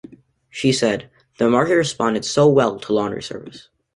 She said: "The market responded so well to "Laundry Service".